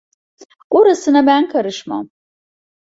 Orasına ben karışmam!